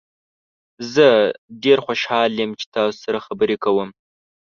زه ډیر خوشحال یم چې تاسو سره خبرې کوم.